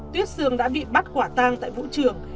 tuyết sương đã bị bắt quả tang tại vũ trường